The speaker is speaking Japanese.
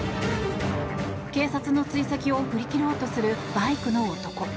警察の追跡を振り切ろうとするバイクの男。